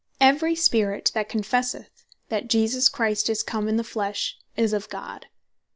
"Every Spirit that confesseth that Jesus Christ is come in the flesh, is of God."